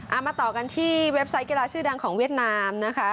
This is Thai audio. เอามาต่อกันที่เว็บไซต์กีฬาชื่อดังของเวียดนามนะคะ